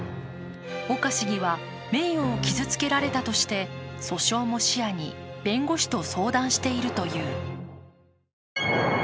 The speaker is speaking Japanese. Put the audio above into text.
岡市議は名誉を傷つけられたとして訴訟も視野に弁護士と相談しているという。